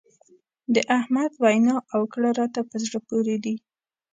د احمد وينا او کړه راته په زړه پورې دي.